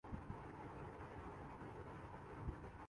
Albania